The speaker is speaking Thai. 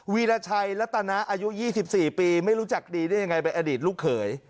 วีรชัยรัตนาอายุ๒๔ปีไม่รู้จักดีได้ยังไงเป็นอดีตลูกเขย